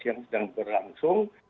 yang sedang berlangsung